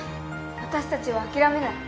私たちは諦めない。